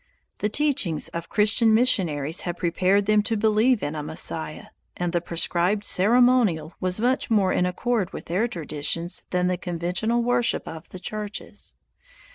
The teachings of Christian missionaries had prepared them to believe in a Messiah, and the prescribed ceremonial was much more in accord with their traditions than the conventional worship of the churches.